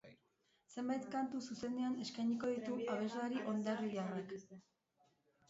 Zenbait kantu zuzenean eskainiko ditu abeslari hondarribiarrak.